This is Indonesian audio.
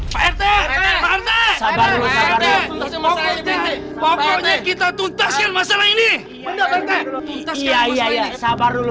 pak rt pak rt sabar dulu pak rt pokoknya kita tuntaskan masalah ini iya iya iya sabar dulu